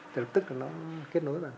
thì lập tức nó kết nối vào